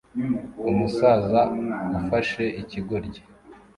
Umusaza ufashe ikigoryi